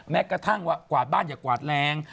แม้กระทั่งว่ากวาดบ้านอย่ากวาดแรง